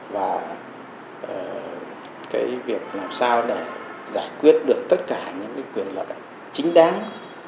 và cái việc làm sao để giải quyết được tất cả những cái quyền lợi chính đáng